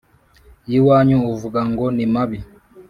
y'iwanyu uvuga ngo ni mabi,